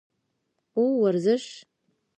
او ورزش